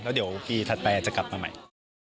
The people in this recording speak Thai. แล้วเดี๋ยวกี่ทัศน์แปลจะกลับมาใหม่